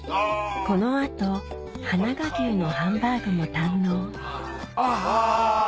この後はなが牛のハンバーグも堪能あぁ。